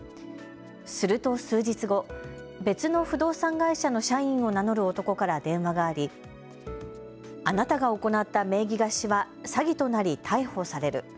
すると数日後、別の不動産会社の社員を名乗る男から電話がありあなたが行った名義貸しは詐欺となり逮捕される。